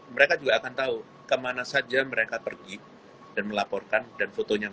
mereka juga akan tahu kemana saja mereka pergi dan melaporkan dan fotonya